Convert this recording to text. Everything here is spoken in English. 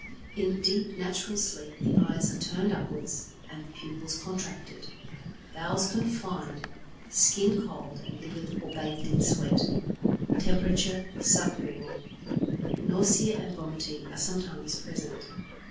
In deep, natural sleep the eyes are turned upwards and the pupils contracted. Bowels confined, skin cold and livid or bathed in sweat. Temperature subnormal. Nausea and vomiting are sometimes present.